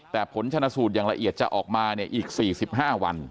แต่ผลชนะสูตรอย่างละเอียดจะออกมาอีก๔๕วัน